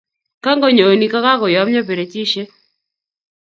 kanganyoni kokakoyomyo perechishek